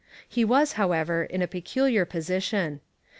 He was, however, in a peculiar position.